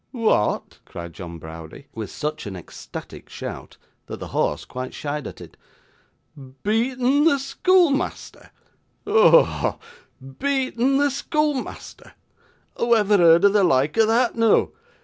'What!' cried John Browdie, with such an ecstatic shout, that the horse quite shied at it. 'Beatten the schoolmeasther! Ho! ho! ho! Beatten the schoolmeasther! who ever heard o' the loike o' that noo!